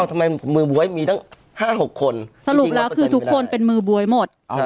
ทำไมมือบ๊วยมีตั้ง๕๖คนสรุปแล้วคือทุกคนเป็นมือบ๊วยหมด